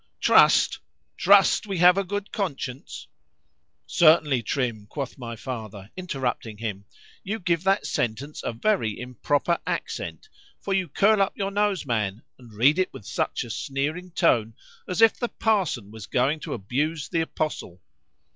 _ "TRUST!——Trust we have a good conscience!" [Certainly, Trim, quoth my father, interrupting him, you give that sentence a very improper accent; for you curl up your nose, man, and read it with such a sneering tone, as if the Parson was going to abuse the Apostle.